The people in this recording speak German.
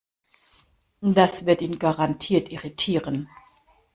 Das wird ihn garantiert irritieren.